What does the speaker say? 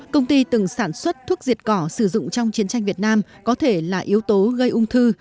công ty từng sản xuất thuốc diệt cỏ sử dụng trong chiến tranh việt nam có thể là yếu tố gây ung thư